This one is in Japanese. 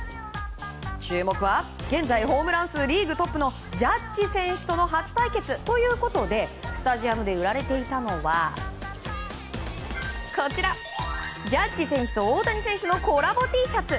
注目は現在ホームラン数リーグトップのジャッジ選手との初対決ということでスタジアムで売られていたのはジャッジ選手と大谷選手のコラボＴシャツ。